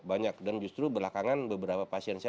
banyak dan justru belakangan beberapa pasien saya